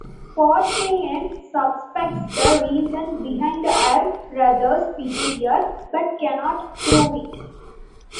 Podkayne suspects the reason behind her brother's behavior, but cannot prove it.